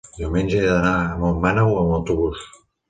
diumenge he d'anar a Montmaneu amb autobús.